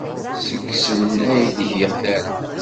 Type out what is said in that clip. Seg-sen ay d-ggiḍ tara.